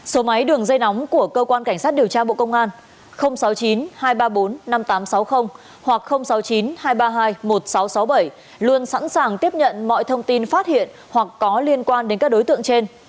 số máy đường dây nóng của cơ quan cảnh sát điều tra bộ công an sáu mươi chín hai trăm ba mươi bốn năm nghìn tám trăm sáu mươi hoặc sáu mươi chín hai trăm ba mươi hai một nghìn sáu trăm sáu mươi bảy luôn sẵn sàng tiếp nhận mọi thông tin phát hiện hoặc có liên quan đến các đối tượng trên